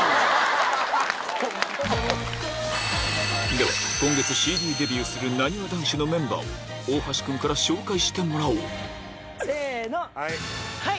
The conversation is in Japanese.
では今月ＣＤデビューするなにわ男子のメンバーを大橋君から紹介してもらおうせのはい！